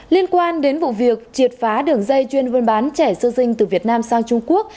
liên quan đến vụ việc triệt phá đường dây chuyên buôn bán trẻ sơ sinh từ việt nam sang trung quốc